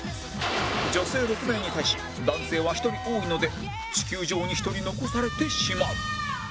女性６名に対し男性は１人多いので地球上に１人残されてしまう